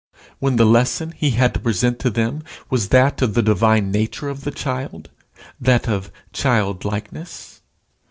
when the lesson he had to present to them was that of the divine nature of the child, that of childlikeness?